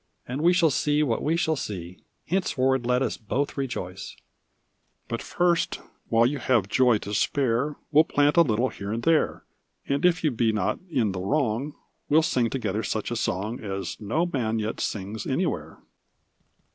And we shall see what we shall see; Henceforward let us both rejoice." 1118 1 "But first, while you have joy to spare We'll plant a little here and there; And if you be not in the wrong, We'll sing together such a song As no man yet sings anywhere."